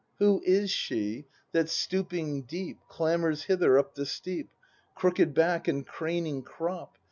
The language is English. ] Who is she, that, stooping deep, Clambers hither up the steep, — Crooked Ijack and craning crop